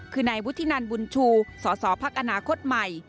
คือนายวุฒินันบุญชูสสพักอนาคตใหม่